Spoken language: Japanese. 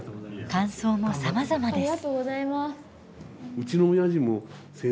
感想もさまざまです。